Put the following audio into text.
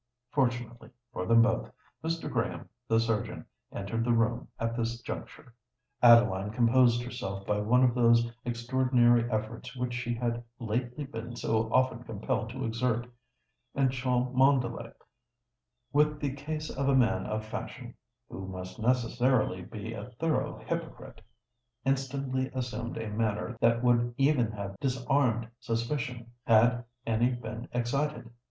Fortunately for them both, Mr. Graham, the surgeon, entered the room at this juncture. Adeline composed herself by one of those extraordinary efforts which she had lately been so often compelled to exert; and Cholmondeley, with the case of a man of fashion (who must necessarily be a thorough hypocrite), instantly assumed a manner that would even have disarmed suspicion, had any been excited.